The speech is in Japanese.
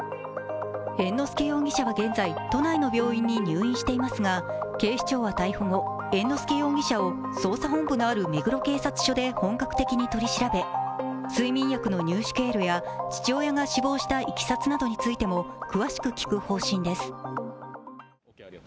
猿之助容疑者は現在、都内の病院に入院していますが警視庁は逮捕後、猿之助容疑者を捜査本部のある目黒警察署で本格的に取り調べ睡眠薬の入手経路や父親が死亡したいきさつについても詳しく聞く方針です。